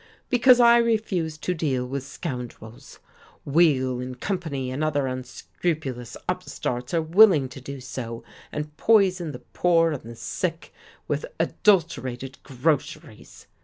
Because I refused to deal with scoundrels. Weill and Company and other unscrupulous upstarts are willing to do so, and poison the poor and the sick with adulterated groceries!